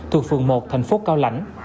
thuộc phường một thành phố cao lãnh